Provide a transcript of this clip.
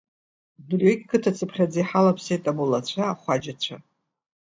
Дырҩегь қыҭацыԥхьаӡа иҳалаԥсеит амулацәа, ахуаџьацәа.